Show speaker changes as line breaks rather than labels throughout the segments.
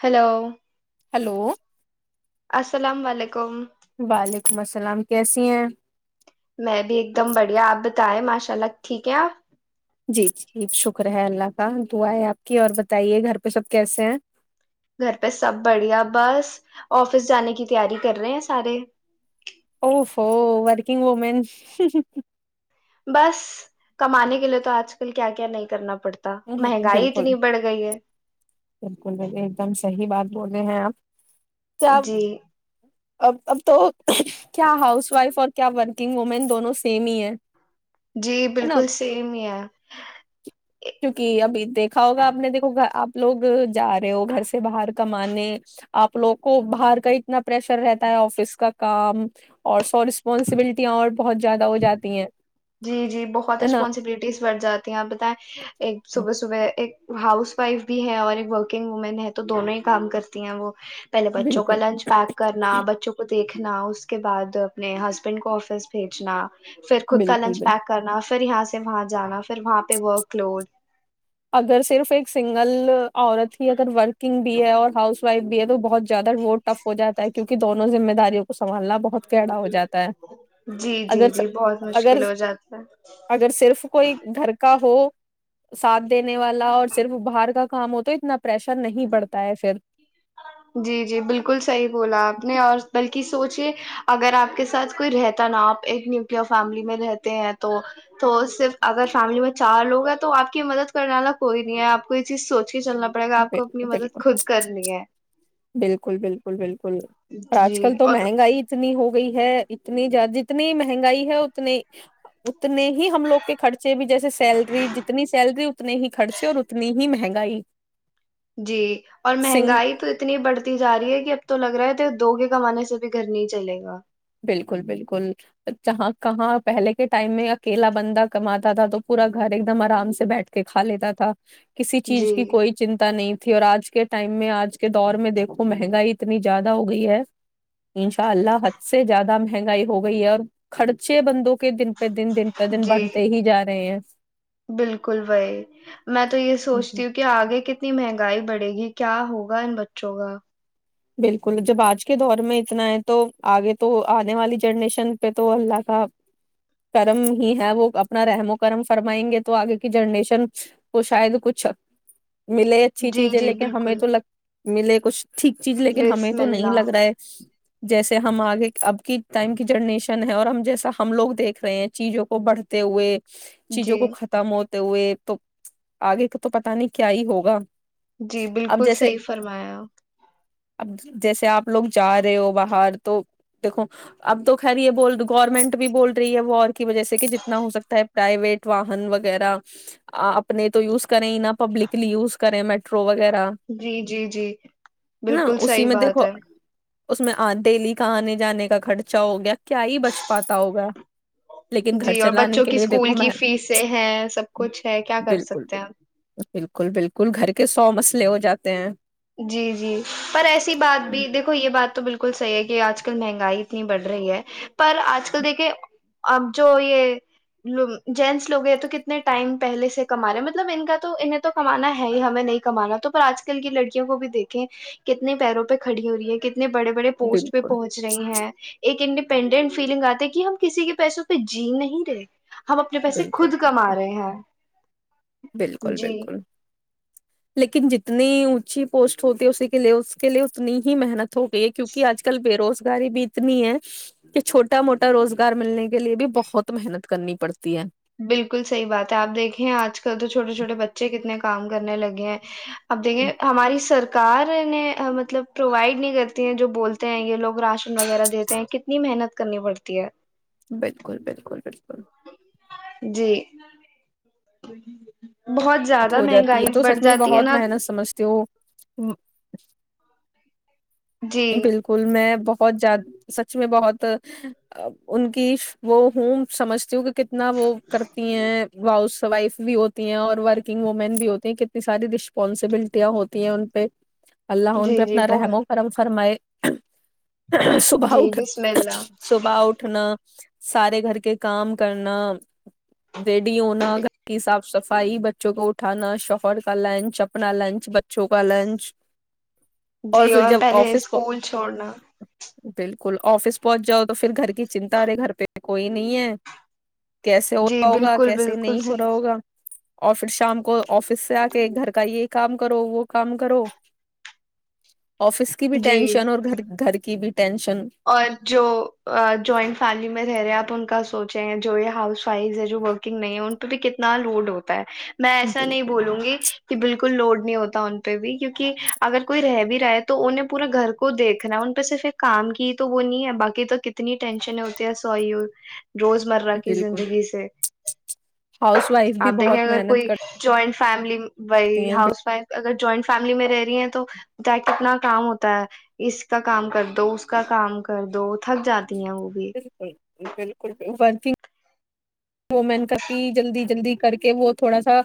Hello
hello
السلام علیکم
وعلیکم السلام کیسی ہیں
میں بھی ایک دم بڑھیا آپ بتائیں ماشاء اللہ ٹھیک ہے آپ
جی جی شکر ہے اللہ کا دعئے آپ کی اور بتائیے گھر پہ سب کیسے ہیں
گھر پہ سب بڑھیا بس آفس جانے کی تیاری کر رہے ہیں سارے
کنگ ومین
بس کمانے کے لیے تو آج کل کیا کیا نہیں کرنا پڑتا پڑتا
بالکل
مہنگائی
بالکل
اتنی بڑھ گئی ہے
بالکل، ایک دم صحیح بات بول رہے ہیں آپ کیا اب
جی
اب اب تو کیا ہاؤس وائف اور کیا ورکنگ وومین دونوں سیم ہی ہے
جی
ہے
بالکل سیم ہے
چکہ ابھی دیکھا ہوگا آپ نے دیکھو گ آپ لوگ جا رہے ہو گھر سے باہر کمانے آپ لوگ کو باہر کا اتنا پریشر رہتا ہے آفس کا کام اور سو رسپانسبلٹیاں اور بہت زیادہ ہو جاتی ہیں
جی جی بہت
ہے نا
ریسپانسبلٹیز بڑھ جاتی ہیں آپ بتائیں ایک صبح صبح ایک ہاؤس وائف بھی ہے اور ایک ورکنگ وومن ہے تو دونوں ہی کام کرتی ہیں وہ پہلے بچوں کا
بالکل
لنچ پیک کرنا بچوں کو دیکھ دیکنا اس کے بعد اپنے ہسبینڈ کو آفس بھیجنا خود کا
بالکل
لنچ
بالکل
پیک کرنا پھر یہاں سے وہاں جانا پھر وہاں پہ ورک لوڈ
اگر صرف ایک سنگل اورت ہی اگر ورکنگ بھی ہے اور ہاؤس بائف بھی ہے تو بہت زیادہ اور ٹف ہو جات ہے کیونکہ دونوں زمیداراؤ کو سمبھالنا بہت کیڑا ہو جاتا ہے
جی
اگر
جی جی بہت
اگر
مشکل ہو جاتا ہے
اگر صرف کوئی گھر کا ہو ساتھ دینے والا اور صرف باہر کا کام ہو تو اتنا پریشر نہیں پڑتا ہے پھر
جی جی بالکل صحیح بولا آپ نے اور بلکہ کہ سوچے اگر آپ کے ساتھ کوئی رہتا نا آپ ایک نیوکلیئر فیملی میں رہتے ہیں تو تو صرف اگر فیملی میں چار لوگ ہیں تو آپ کی مدد کرنے والا کوئی نہیں ہے آپ کو یہ چیز سوچ کے چلنا پڑے گا آپ کو اپنی
بالکل
مدد
بالکل۔
خود کرنی ہے
بالکل بالکل بالکل بولو پر آج
جی
کل تو
اور
مہنگائی اتنی ہو گئی ہے اتنی ج جتنی مہنگائی ہے اتنی اتنے ہی ہم لوگ کے خرچے بھی جیسے سیلری جتنی سیلری اتنے ہی خرچے اور اتنی ہی مہنگائی
جی اور
سنگھ
مہنگائی تو اتنی بڑھتی جا رہی ہے کہ اب تو لگ رہا ہے یہ دو کے کمانے سے بھی گھر نہیں چلے گا
بالکل بالکل جہاں کہاں پہلے کے ٹائم میں اکیلا بندہ کماتا تھا تو پورا گھر ایک دم آرام سے بیٹھ کے کھا لیتا تھا کسی چیز
جی
کی کوئی چنتا نہیں تھی اور آج کے ٹائم میں آج کے دور میں دیکو مہنگائی اتنی زیادہ ہو گئی ہے انشاء اللہ زیادہ مہنگائی ہو گئی ہے اور خرچے بندوں کے دن پہ دن دن پہ دن
جی
بڑھتے ہی جا رہے ہیں
بالکل بھی میں تو یہ سوچتی ہوں کہ آگے کتنے اتنی مہنگائی بڑھے گی کیا ہوگا ان بچوں کا
بالکل جب آج کے دور میں اتنا ہے تو آگے تو آنے والی جنریشن پہ تو اللہ کا کرم ہی ہے وہ اپنا رحم و کرم فرمائیں گے تو آگے کی جنریشن کو شاید کچھ ملے اچھی
جی
چیزیں
جی
لیکن ہمیں
بالکل
تو لگ ملے کچھ ٹھیک لیکن ہمیں
بسم
تو نہیں
اللہ
لگ رہا جیسے ہم آگے اب کی ٹائم کی جننیشن چن ہے اور ہم جیسا ہم لو دیکھ رہے ہیں چیزوں کو بڑھتے ہوئے
جی
چیزوں کو ختم ہوتے ہوئے تو آگے کا تو پتا نہیں کیا ہی ہوگا
جی
اب
بالکل
جیسے
صحیح فرمایا
اب جیسے آپ لوگ جا رہے ہو باہر تو دیکھو اب تو خیر یہ ب گورنمنٹ بھی بول رہی ہے وہ کی وجہ سے کہ جتنا ہو سکتا ہے پرائیویٹ واہن وغیرہ اپنے تو یوز کریں ہی نہا پبلکلی یوز کریں میٹرو وغیرہ
جی جی جی
ہے نا
بالکل
اسی
صحیح
میں دیکھو
بات ہے
اس میں آ دہلی کہ آنے جانے کا خرچہ ہو گیا کیا ہی بچ پاتا ہوگا لیکن گھر
جی اور
چلانے
بچوں
کے
کی
لیے
اسکول
دیکھو میں
کی فیس ہے سب
بالکل
کچھ ہے کیا کر
بالکل
سکتے ہیں
بالکل بالکل بالکل گھر کے سو مسئلے ہو جاتے ہیں
جی جی پر ایسی بات بھی دیکھو یہ بات تو بالکل بالکل صحی ہے کہ آج کل مہنگائی اتنی بڑھ رہی ہے پر آج کل دیکھے اب جو یہ جینٹس لوگ ہیں تو کتنے ٹائم پہلے سے کما رہے مطلب ان کا تو انہیں تو کمانا ہے ہی ہمیں نہیں کمانا تو پر آج کل کی لی کو بھی دیکھیں کتنے پیروں پہ کھڑی ہو رہی ہے کتنی اپتنے بڑے بڑے پوسٹ پہ
بالکل
پہنچ رہی ہیں ایک انڈیپینڈنٹ فیلنگ آتے کہ ہم کسی کے پیسوں پہ جی نہیں رہے ہم اپنے پیسے
بالکل
خود
بالکل
کما رہے ہیں
بالکل
جی
بالکل لیکن ج اتنی اونچی پوسٹ ہوتی ہے اسی کے لیے اس کے لیے اتنی ہی محنت ہو گئی ہے کیونکہ آج کل بے روز رگاری بھی اتنی ہے کہ چھوٹا موٹا روزگار ملنے کے لیے بھی بہت محنت کرنی پڑتی ہے
بالکل صحی بات ہے آپ دیکھیں آج کل تو چھوٹے چوٹے بچے کتنے کام کرنے لگے ہیں اب دیکھیے ہماری سرک سرکاریں مطلب پرووائڈ نہیں کرتی ہے جو بولتے ہیں یہ لوگ راشن وغیرہ دیتے ہیں کتنی محنت کرنی پڑتی ہے
بالکل بالکل بالکل
جی بہت
ب
زیادہ
ہو جاتی
مہنگائی
ہے تو
بڑھ
سچ میں
جاتی ہے
بہت
نا
محنت سمجھتے ہ
جی
بالکل میں بہت بہت زد سچ میں بہت ان کی وہ ہوں سمجھتی ہوں کہ کتنا وہ کرتی ہیں ہاؤس وائف بھی ہوتی ہیں اور ورکنگ وومین بھی ہوتی ہیں کتنی ساری رسپانسبلٹیاں ہوتی ہیں ان پہ اللہ ان پہ
جی جی
اپنا رحم
بہت
و کرم فر میں صبح
جی بسم
اٹنا
اللہ
صبح اٹھنا سارے گھر کے کام کرنا جیڈی نہ گ سب صفائی بچوں کو اٹھانا شوہر کا لنچ اپنا لنچ بچوں کا لنچ
جی
پھر
اور
جب
ے
آفس
اسکول چھوڑنا
بالکل آفس پہنچ جاؤ تو پھر گھر کی چنتا ا رہے گھر پہ کوئی نہیں ہے کیسے ہو
جی
رہا ہوگا
بالکل
کیسے
بالکل
نہیں ہو رہا
صحیح
ہوگا اور پھر شام کو آفس سے آ کے گھر کا یہ کام کرو وہ کام کرو آفس کی بھی
جی
ٹینشن اور گھر گھر کی بھی ٹینشن
اور جو جوائنٹ فیملی میں رہ رہے ہیں آپ ان کا سوچے ہیں جو یہ ہاؤس وائف ہے جو ورکنگ نہیں ہے ان پہ بھی کتنا لوڈ ہوتا ہے میں ایسا نہیں
بالکل
بولوں گی کہ بالکل کو لوڈ نہیں ہوتا ان پہ بھی کیونکہ اگر کوئی رہ بھی رہا ہے تو انہیں پورا گھر کو دیکھنا ہے ان پہ صرف ایک کام کی تو وہ نہیں ہے باقی تو کتنی ٹینشن ہوتی ہے س روز مرہ کی
بالکل
زندگی سے
ہاؤس وائف بھی
آپ دیکھیں
بہت
اگر
محنت
کوئی
کر
جوائنٹ فیملی بھائی ہاؤس وائف اگر جوائنٹ فیملی میں رہ رہی ہیں توتنا کام ہوتا ہے اس کا کام کر دو کا کام کر دو تھک جاتا
بالکل بالکل ف [unintelligible] وہ مین کای جلدی جلدی کر کے وہ تھوڑا سا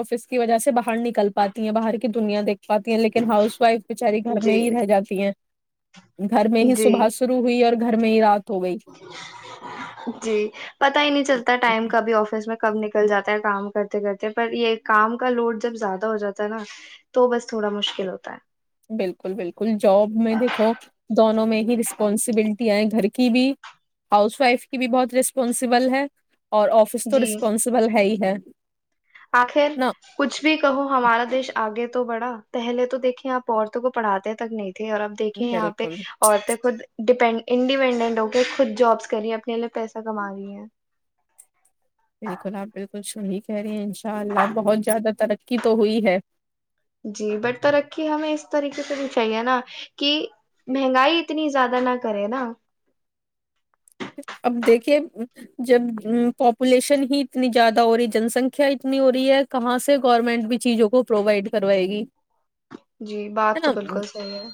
آفس کی وجہ سے باہر نکل پاتی ہیں باہر کی دنیا دیکھ پاتی ہیں لیکن ہاؤس وائف بچاری گھر میں
جی
ہی رہ جاتی ہیں گھر میں ہی
جی
صبح شروع ہوئی اور گھر میں ہی رات ہو گئی
جی پتا ہی نہیں چلتا ٹائم کا بھی آفس میں کم نکل جاتا ہے کام کرتے کرتے پر یہ کام کا لوڈ جب زیادہ ہو جاتا ہے نا تو بس تھوڑا مشکل ہوتا
بالکل بالکل جاب میں دیکھو دونوں میں ہی رسپانسبلٹی گھر کی بھی ہاؤس وائف کی بھی بہت ریسپانسبل ہے اور آفس
ہے
تو
جی
رسپونسبل ہے ہی ہے
آخر
نا
کچھ بھی کہو ہمارا دیش آگے تو بڑا پہلے تو دیکھے آپ عورتوں کو پڑاتے ہیں تک نہیں تھ اور اب دیکیں یہاں پہ
بالکل
عورتیں خود ڈیپینڈ انڈیپینڈنٹ ہو کے خود جابس کری اپنے لیے پیسہ کما رہی ہیں
بالکل آپ بالکل سن ہی کہہ رہی ہیں انشاء اللہ بہت زیادہ ترقی تو ہوئی ہے
جی بٹ ترقی ہمیں اس طریقے سے بھی چاہیے نا کہ مہنگائی اتنی زیادہ نہ کرے نا
اب دیکھیے جب پاپولیشن ہی اتنی زیادہ ہو رہی جن سنکھیا اتنی ہو رہی ہے کہاں سے گورنمنٹ بھی چیزوں کو پرووائڈ کروائے گی
جی بات
ہے
تو
نا
بالکل صحی ہے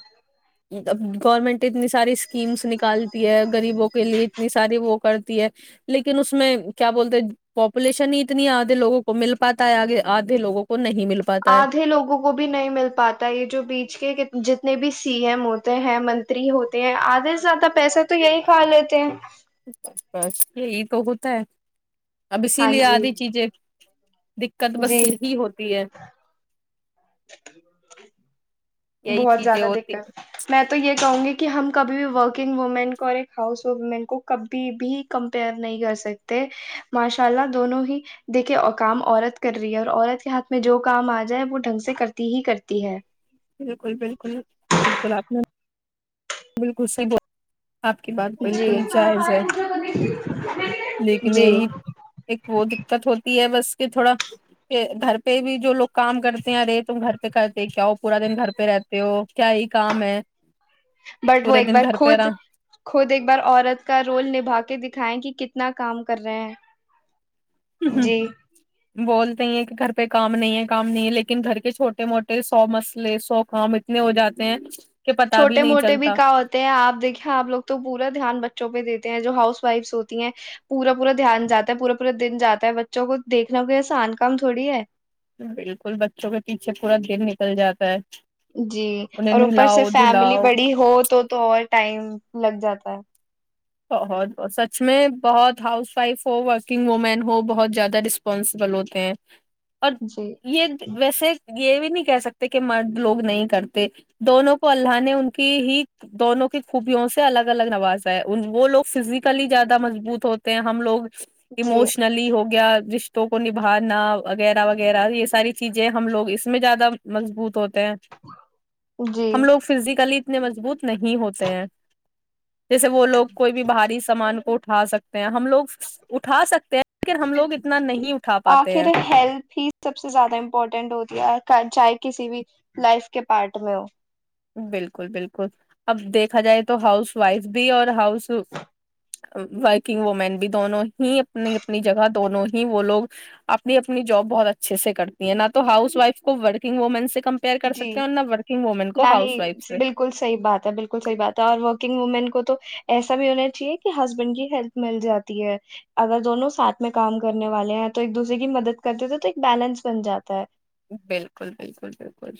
اب گورنمنٹ اتنی ساری اسکیمس نکالتی ہے گغریبوں کے لیے اتنی ساری وہ کرتی ہے لیکن اس میں کیا بولتے ہیں پاپولیشن ہی اتنی آدھے لوگوں کو مل پاتا ہے آگے آدھے لووں کو نہیں مل پاتا ہے
آدھے لوگوں کو بھی نہیں مل پاتا یہ جو بیچ کے جتنے بھی سی ایم ہوتے ہیں منتری ہوتے ہیں آدھے سے زیادہ پیسے تو یہی کھا لیتے ہیں
جی بس یہ یہ توگتا ہے اب اسی
ہاں
لیے
جی
آدھی چیزیں دقت بس
جی
ہی ہوتی ہے یہی
بہت
چیزیں
زیادہ
ہوتی
دقت
ہیں۔
میں تو یہ کہوں گی کہ ہم کبھی بھی ورکنگ وومین کو اور ایک ہاؤس وومین کو کبھی بھی کمپیئر نہیں کر سکتے ماشاء اللہ دونوں ہی دیکھے کام عورت کر رہی ہے اور عورت کے ہاتھ میں جو کام آ جائے وہ ڈھنگ سے کرتی ہی کرتی ہے
بالکل بالکل بالکل آپ نے بالکل صحیح ب آپ کی بات
جی
بالکل جائز ہے لیکن
جی
یہی ایک وہ دقت ہوتی ہے بس کہ تھوڑا گھر پہ بھی جو لوگ کام کرتے ہیں ارے تم گھر پہ کرتے کیا ہو پورا دن گھر پہ رہتے ہو کیا یہ کام ہے
بٹ وہ
پورے
ایک
دن
بار
گھر پہ
خود
رہا
خود ایک بار عورت کا رول نبھا کے دکھائیں کہ کتنے اتنا کام کر رہے ہیں جی
بولتے ہی ہیں کہ گھر پہ کام نہیں ہے کام نہیں ہے لیکن گھر کے چھوٹے موٹے سو مسئلے سو کام اتنے ہو جاتے ہیں کہ پتا
چھوٹے
نہیں
موٹے بھی
چلتا
کا ہوتے ہیں آپ دیکیں آپ لوگ تو پورا دھیان بچوں پہ دیتے جو ہاؤس وائفس ہوتی ہیں پورا پورا دھیان جاتا ہے پورا پورا دن جاتا ہے بچوں کو دیکنا کوسان کام تھوڑی ہے
بالکل بچوں کے پیچھے پورا دن نکل جاتا ہے
جی
انہیں
اور اوپر سے
نہلاؤ
فیملی
دھلاؤ
بڑی ہو تو تو اور ٹائم لگ جاتا ہے
بہت بہت سچ میں بہت ہاؤس وائف ہو ورکنگ وومین ہو بہت زیادہ رسپانسبل ہوتے ہیں اور
جی
یہ ویسے یہ بھی نہیں کہہ سکتے کہ مرد لوگ نہیں کرتے دونوں کو اللہ نے ان کی ہی دونوں کی خوبیوں سے الگ الگ نوازایا وہ لوگ فزیکلی زیادہ مضبوط ہوتے ہیں ہم لوگ
جی
اموشنلی ہو رشتوں کو نبھانا وغیرہ وغیرہ یہ ساری چیزیں ہم لوگ اس میں زیادہ مضبوط ہو
جی
ہم لوگ فزیکلی تنے مضبوط نہیں ہوتے ہیں وہ لوگ کوئی بھی باہری سامان اٹھا سکتے ہیں ہم لوگ اٹھا سکتے ہیں لیکن ہم لوگ اتنا نہیں اٹھا پاتے
آخر
ہیں
ہیلتھ ہی سب سے زیادہ امپورٹنٹ ہوتی ہے چاہے کسی بھی لائف کے پارٹ میں ہو
بالکل بالکل اب دیکھا جائے تو ہاؤس وائف بھی اور ہاؤس ورکنگ وومین بھی دونوں ہی اپنی اپنی جگہ دونوں ہی وہ لوگ اپنی اپنی جاب بہت اچھے سے کرتی ہیں نہ تو ہاؤس وائف کو ورکنگ وومین سے کمپیئر کر ستے ہیں اور نہ وورکنگ ومن کو
نہ ہی
ہاؤس وائف سے
بالکل صحی بات ہے بالکل صحی بات ہے اور وکنگ کو تو ایسا بھی ہونا چاہیے کہ ہسبینڈ کی ہیلپ مل جاتی ہے اگر دونوں ساتھ میں کام کرنے والے ہیں تو ایک دوسرے کی مدد کرتے تھے تو ایک بیلنس بن جاتا ہے
بالکل بالکل بالکل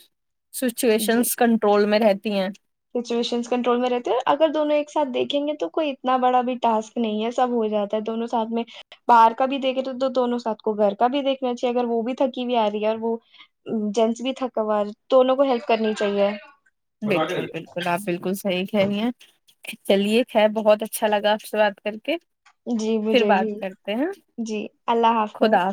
سچویشن کنٹرول میں رہتے تی ہیں
سچویشن کنٹرول میں رہتے ہیں اگر دونوں ایک ساتھ دیکھیں گے تو کوئی اتنا بڑا بھی ٹاسک نہیں ہے سب ہو جاتا ہے دونوں ساتھ میں باہر کا بھی دیکھے تو تو دونوں ساتھ کو گھر کا بھی دیکھنا چاہیے اگر وہ بھی تھکی ہوئی آ رہی ہے اور وہ جینس بھی تھکا ہوا دونوں کو ہیلپ کرنی چاہیے بنا کے
بالکل بالکل گلاب بالکل صحییک ہے گ ہیں چلیے خیر بہت اچھا لگا آپ سے بات کر کے
جی
پھر
مجھے بھی
بات کرتے ہیں
جی اللہ حافظ